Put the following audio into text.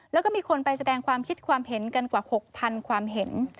แล้วก็มีคนไปแสดงความคิดความเห็นกันกว่า๖๐๐๐ความเห็น